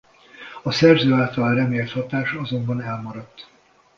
A szerző által remélt hatás azonban elmaradt.